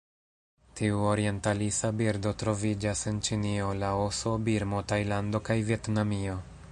Tiu orientalisa birdo troviĝas en Ĉinio, Laoso, Birmo, Tajlando kaj Vjetnamio.